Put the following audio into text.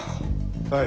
はい。